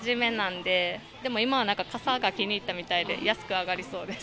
でも、今はなんか傘が気に入ったみたいで、安く上がりそうです。